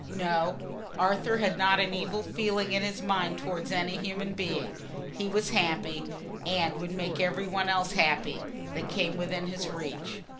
No, Arthur had not an evil feeling in his mind towards any human being: he was happy, and would make every one else happy that came within his reach.